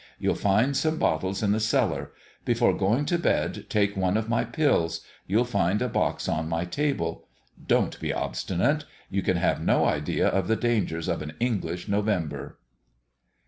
You'll find some bottles in the cellar. Before going to bed take one of my pills. You'll find a box on my table. Don't be obstinate. You can have no idea of the dangers of an English November.